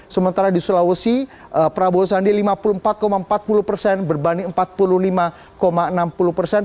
sementara di sulawesi prabowo sandi lima puluh empat empat puluh persen berbanding empat puluh lima enam puluh persen